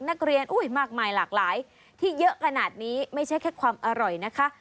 นักเรียนมากมายหลากหลายที่เยอะขนาดนี้ไม่ใช่แค่ความอร่อยนะคะ